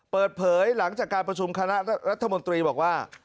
เปิดเผยหลังจากการประชุมคณะรัฐมนตรีบอกว่า